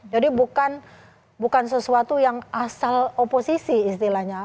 jadi bukan sesuatu yang asal oposisi istilahnya